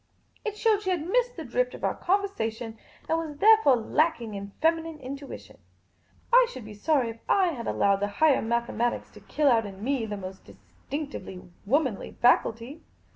It showed she had missed the drift of our conversation, and was therefore lacking in feminine intuition, I should be sorry if I had allowed the higher mathematics to kill out in me the most distinctively womanly faculty.